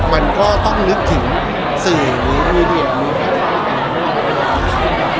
มันก็ต้องนึกถึงสื่อวิเวณมีประทับสภาพ